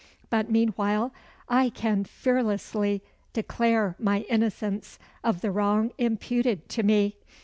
But meanwhile I can fearlessly declare my innocence of the wrong imputed to me.